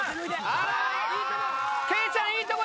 あらいいとこ！